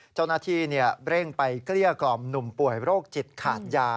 เจ้าหน้าที่เร่งไปเกลี้ยกล่อมหนุ่มป่วยโรคจิตขาดยา